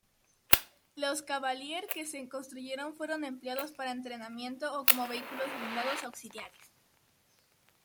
Los Cavalier que se construyeron fueron empleados para entrenamiento o como vehículos blindados auxiliares.